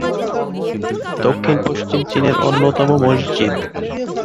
দক্ষিণ-পশ্চিম চীনের অন্যতম মসজিদ।